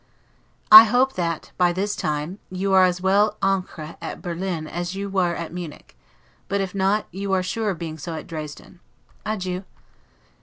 I hope, that, by this time, you are as well 'ancre' at Berlin as you was at Munich; but, if not, you are sure of being so at Dresden. Adieu.